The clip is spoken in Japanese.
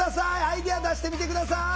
アイデア出してみて下さい！